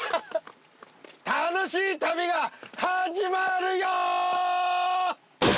楽しい旅が始まるよ！